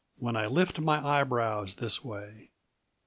_"When I Lift My Eyebrows This Way."